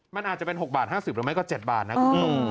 มันอาจจะเป็น๖บาท๕๐หรือไม่ก็๗บาทนะคุณผู้ชม